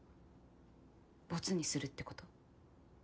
ボツにするってこと？